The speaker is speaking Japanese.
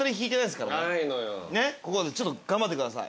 ちょっと頑張ってください。